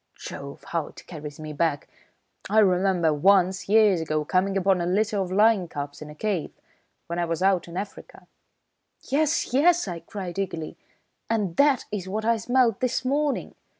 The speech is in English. Jove, how it carries me back! I remember once, years ago, coming upon a litter of lion cubs, in a cave, when I was out in Africa " "Yes! Yes!" I cried eagerly. "And that is what I smelt this morning.